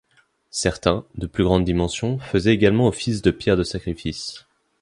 Certains, de plus grandes dimensions, faisaient également office de pierre de sacrifice.